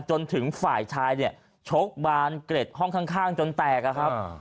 จนถึงฝ่ายชายเนี่ยชกบานเกร็ดห้องข้างจนแตกอะครับ